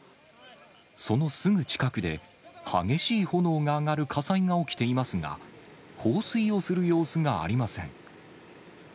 そのすぐ近くで、激しい炎が上がる火災が起きていますが、放水をする様子がありません。